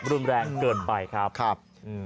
รุนแรงเกินไปครับ